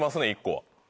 １個は。